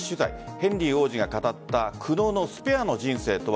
ヘンリー王子が語った苦悩のスペアの人生とは。